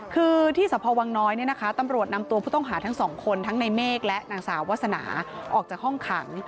คือที่สพวังน้อยเนี่ยนะคะตำรวจนำตัวผู้ต้องหาทั้งสองคนทั้งในเมฆและนางสาววาสนาออกจากห้องขัง